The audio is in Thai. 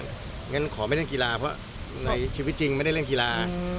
งั้นขอไม่เล่นกีฬาเพราะในชีวิตจริงไม่ได้เล่นกีฬา